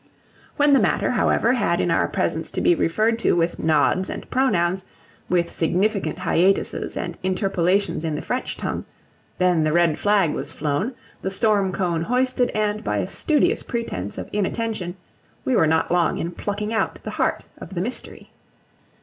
When the matter, however, had in our presence to be referred to with nods and pronouns, with significant hiatuses and interpolations in the French tongue, then the red flag was flown, the storm cone hoisted, and by a studious pretence of inattention we were not long in plucking out the heart of the mystery.